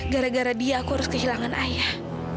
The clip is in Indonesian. gara gara dia aku harus kehilangan ayah